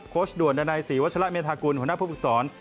โคชด่วนดันไนสีวัชละเมธากุลหัวหน้าผู้ฟึกษร